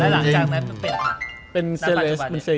อ่ะแล้วหลังจากไหนเป็น